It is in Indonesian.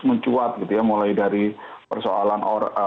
mencuat gitu ya mulai dari persoalan